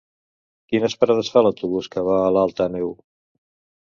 Quines parades fa l'autobús que va a Alt Àneu?